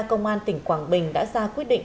công an tỉnh quảng bình đã ra quyết định